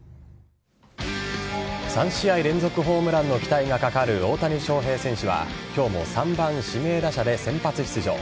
３試合連続ホームランの期待がかかる大谷翔平選手は今日も３番・指名打者で先発出場。